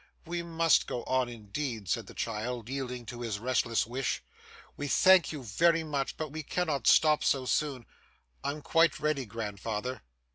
'We must go on, indeed,' said the child, yielding to his restless wish. 'We thank you very much, but we cannot stop so soon. I'm quite ready, grandfather.